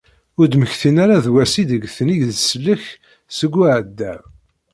Ur d-mmektin ara d wass ideg ten-id-isellek seg uɛdaw.